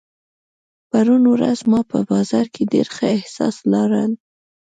پرون ورځ ما په بازار کې ډېر ښه احساس لارۀ.